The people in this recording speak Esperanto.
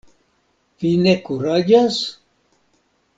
Vi ne kuraĝas?